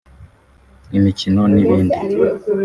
imikino n’ibindi